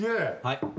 はい。